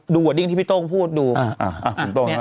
ดูดิงที่พี่ต้งพูดนะครับ